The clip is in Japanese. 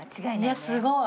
いやすごい！